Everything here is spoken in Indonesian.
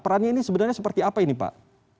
perannya ini sebenarnya seperti apa ini pak